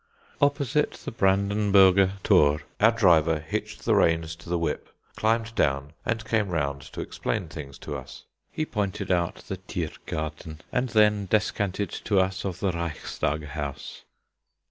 Opposite the Brandenburger Thor our driver hitched the reins to the whip, climbed down, and came round to explain things to us. He pointed out the Thiergarten, and then descanted to us of the Reichstag House.